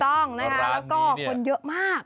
ต้องนะคะแล้วก็คนเยอะมาก